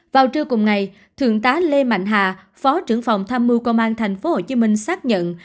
vào trưa cùng ngày thượng tá lê mạnh hà phó trưởng phòng tham mưu công an tp hcm xác nhận